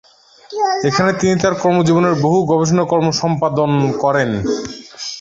এখানে তিনি তাঁর কর্মজীবনের বহু গবেষণাকর্ম সম্পাদন করেন।